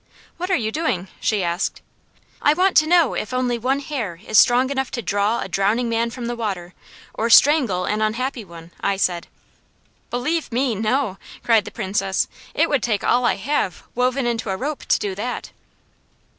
"What are you doing?" she asked. "I want to know if only one hair is strong enough to draw a drowning man from the water or strangle an unhappy one," I said. "Believe me, no!" cried the Princess. "It would take all I have, woven into a rope, to do that."